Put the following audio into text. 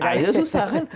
ah itu susah kan